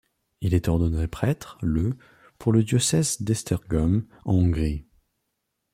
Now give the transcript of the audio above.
Il est ordonné prêtre le pour le diocèse d'Esztergom en Hongrie.